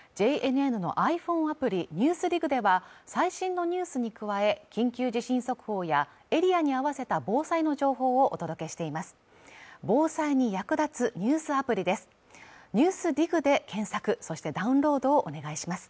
ＪＮＮのｉＰｈｏｎｅアプリ「ＮＥＷＳＤＩＧ」では最新のニュースに加え緊急地震速報やエリアに合わせた防災の情報をお届けしています